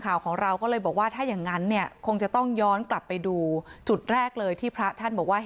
แล้วก็หัวอาจจะบวมด้วยนะผมเนี่ยมันเปียกอยู่แล้ว